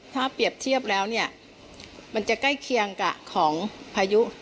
ถ้าเปรียบเทียบแล้วเนี่ยมันจะใกล้เคียงกับของพายุ